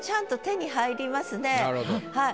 はい。